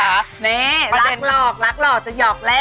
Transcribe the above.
นี่รักหลอกรักหลอกจะหยอกแรก